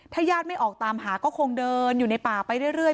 ถ้าญาติไม่ออกตามหาก็คงเดินอยู่ในป่าไปเรื่อย